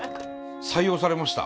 採用されました。